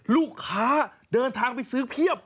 ลูกค้าเดินทางไปซื้อเพียบ